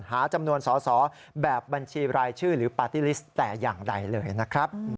หาจำนวนสอสอแบบบัญชีรายชื่อหรือปาร์ตี้ลิสต์แต่อย่างใดเลยนะครับ